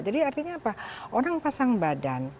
jadi artinya apa orang pasang badan